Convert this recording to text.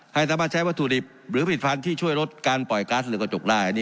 ให้สามารถใช้วัตถุดิบหรือผลิตภัณฑ์ที่ช่วยลดการปล่อยก๊าซเรือกระจกได้